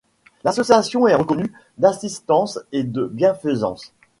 L'association est reconnue d'Assistance et de Bienfaisance.